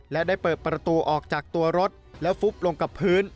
และได้เปิดประตูออกจากตัวรถแล้วฟุบลงกับพื้น